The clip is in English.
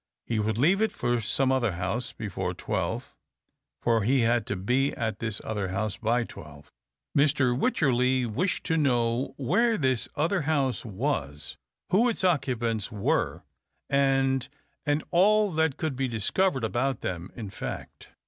He would leave it for some other house before twelve, for he had to be at this other house by twelve. Mr. Wycherley wished to know where this other house was, who its occupants were, and — and all that could be discovered about them, in fact.